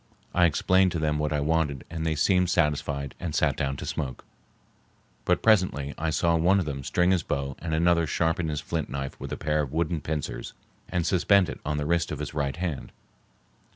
I explained to them what I wanted and they seemed satisfied and sat down to smoke; but presently I saw one of them string his bow and another sharpen his flint knife with a pair of wooden pincers and suspend it on the wrist of his right hand.